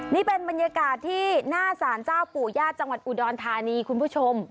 นี่เป็นบรรยากาศที่หน้าสารเจ้าปู่ญาติจังหวัดอุดรธานีคุณผู้ชม